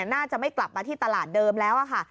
น่าจะไม่กลับมาที่ตลาดเดิมแล้วค่ะ